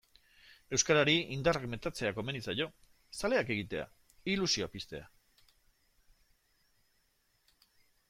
Euskarari indarrak metatzea komeni zaio, zaleak egitea, ilusioa piztea.